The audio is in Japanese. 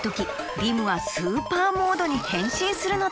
リムはスーパーモードにへんしんするのだ！